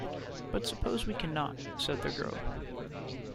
But suppose we cannot? said the girl.